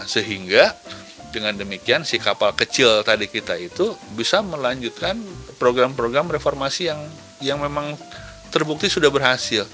sehingga dengan demikian si kapal kecil tadi kita itu bisa melanjutkan program program reformasi yang memang terbukti sudah berhasil